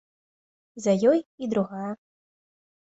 За ёй і другая.